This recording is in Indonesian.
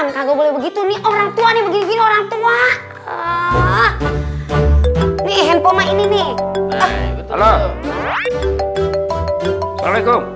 kagak boleh begitu nih orangtua nih begini orangtua nih handphone ini nih halo assalamualaikum